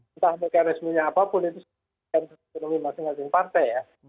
entah mekanismenya apapun itu harus dipulai dengan demokratis masing masing partai ya